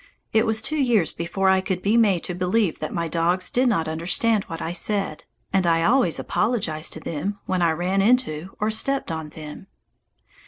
It was two years before I could be made to believe that my dogs did not understand what I said, and I always apologized to them when I ran into or stepped on them.